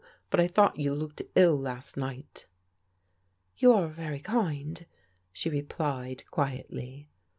But I thought you looked ill last night." "You are very kind," she replied quietly.